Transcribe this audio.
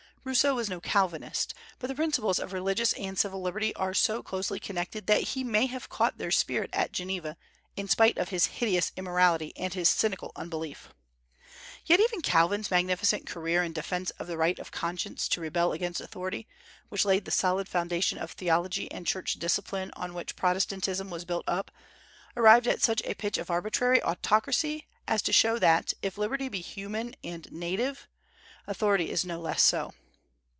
Rousseau was no Calvinist, but the principles of religious and civil liberty are so closely connected that he may have caught their spirit at Geneva, in spite of his hideous immorality and his cynical unbelief. Yet even Calvin's magnificent career in defence of the right of conscience to rebel against authority, which laid the solid foundation of theology and church discipline on which Protestantism was built up, arrived at such a pitch of arbitrary autocracy as to show that, if liberty be "human" and "native," authority is no less so.